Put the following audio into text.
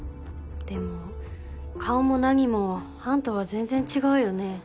でも顔も何もハンとは全然違うよね？